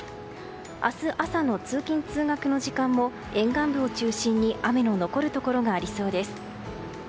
明日朝の通勤・通学の時間も沿岸部を中心に雨の残るところがありそうです。